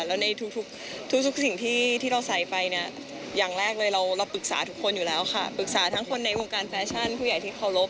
แล้วในทุกสิ่งที่เราใส่ไปเนี่ยอย่างแรกเลยเราปรึกษาทุกคนอยู่แล้วค่ะปรึกษาทั้งคนในวงการแฟชั่นผู้ใหญ่ที่เคารพ